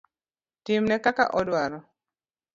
Timne kaka odwaro.